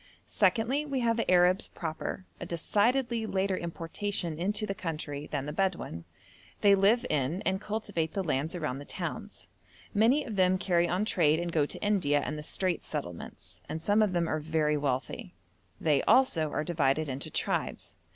Secondly, we have the Arabs proper, a decidedly later importation into the country than the Bedouin. They live in and cultivate the lands around the towns; many of them carry on trade and go to India and the Straits Settlements, and some of them are very wealthy. They also are divided into tribes.